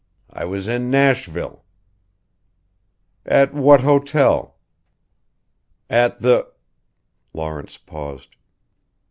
I was in Nashville." "At what hotel?" "At the " Lawrence paused.